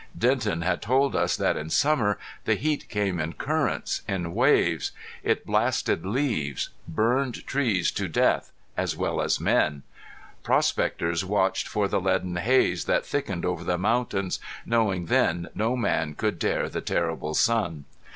Denton had told us that in summer the heat came in currents, in waves. It blasted leaves, burned trees to death as well as men. Prospectors watched for the leaden haze that thickened over the mountains, knowing then no man could dare the terrible sun.